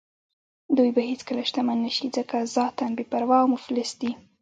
دوی به هېڅکله شتمن نه شي ځکه ذاتاً بې پروا او مفلس دي.